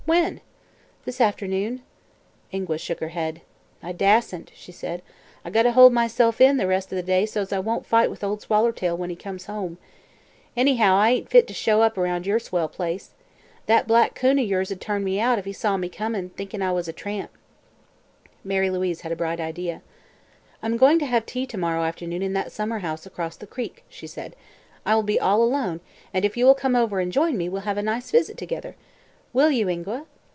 "When?" "This afternoon." Ingua shook her head. "I dastn't," she said. "I gotta hold myself in, the rest o' the day, so's I won't fight with Ol' Swallertail when he comes home. Anyhow, I ain't fit t' show up aroun' yer swell place. That black coon o' yers'd turn me out, if he saw me comin', thinkin' I was a tramp." Mary Louise had a bright idea. "I'm going to have tea to morrow afternoon in that summer house across the creek," said she. "I will be all alone and if you will come over and join me we'll have a nice visit together. Will you, Ingua?"